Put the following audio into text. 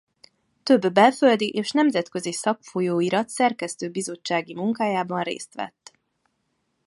Több belföldi és nemzetközi szakfolyóirat szerkesztőbizottsági munkájában részt vett.